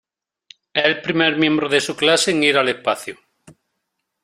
Es el primer miembro de su clase en ir al espacio.